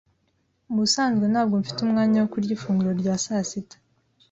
Mubusanzwe ntabwo mfite umwanya wo kurya ifunguro rya sasita.